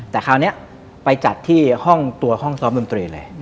แต่คราวนี้ไปจัดที่ห้องตัวห้องซ้อมดนตรีเลย